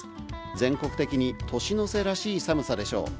全国的に年の瀬らしい寒さでしょう。